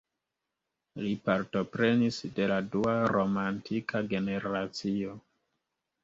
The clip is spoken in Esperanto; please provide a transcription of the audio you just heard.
Li partoprenis de la dua romantika generacio.